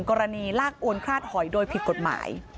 กรณีลากอวนคลาดหอยโดยผิดกฎหมาย